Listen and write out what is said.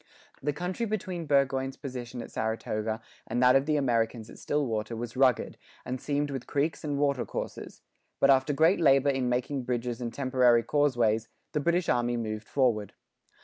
The country between Burgoyne's position at Saratoga and that of the Americans at Stillwater was rugged, and seamed with creeks and water courses; but after great labour in making bridges and temporary causeways, the British army moved forward.